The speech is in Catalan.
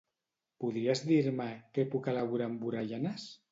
Podries dir-me què puc elaborar amb orellanes?